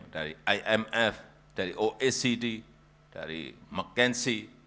dari imf dari oecd dari mckenzi